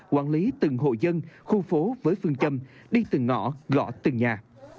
quản lý từng hộ dân khu phố với phương châm đi từng ngõ gõ từng nhà